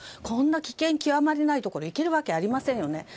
こんな危険極まりないところに行けるわけありませんよね。